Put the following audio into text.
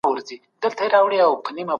ده غوښتل پښتانه راويښ کړي